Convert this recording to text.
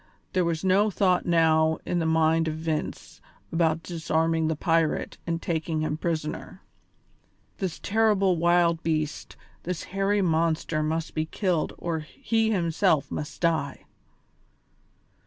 There was no thought now in the mind of Vince about disarming the pirate and taking him prisoner; this terrible wild beast, this hairy monster must be killed or he himself must die.